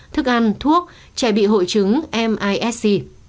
thức ăn thuốc trẻ bị hội chứng misc